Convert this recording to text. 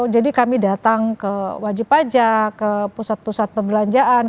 jadi kami datang ke wajib pajak ke pusat pusat perbelanjaan